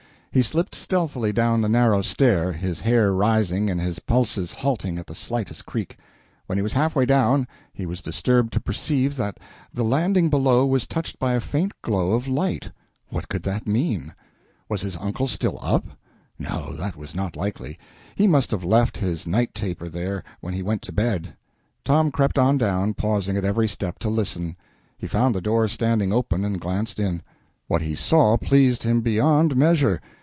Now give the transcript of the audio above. He slipped stealthily down the narrow stair, his hair rising and his pulses halting at the slightest creak. When he was half way down, he was disturbed to perceive that the landing below was touched by a faint glow of light. What could that mean? Was his uncle still up? No, that was not likely; he must have left his night taper there when he went to bed. Tom crept on down, pausing at every step to listen. He found the door standing open, and glanced in. What he saw pleased him beyond measure.